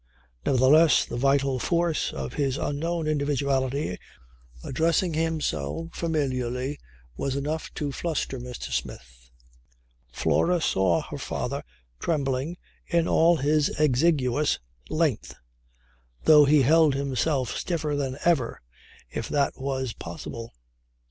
Nevertheless the vital force of his unknown individuality addressing him so familiarly was enough to fluster Mr. Smith. Flora saw her father trembling in all his exiguous length, though he held himself stiffer than ever if that was possible.